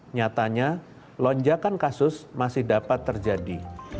nyatanya lonjakan kasus masih dapat terjadi